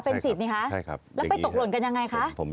เป็นสิทธิ์นี่คะแล้วไปตกหล่นกันยังไงคะ